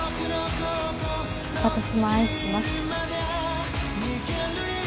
私も愛してます。